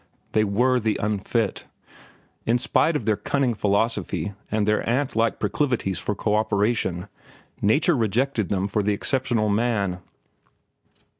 They were the unfit. In spite of their cunning philosophy and of their antlike proclivities for coöperation, Nature rejected them for the exceptional man.